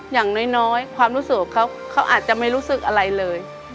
อย่างน้อยความรู้สึกเขาอาจจะไม่รู้สึกอะไรเลย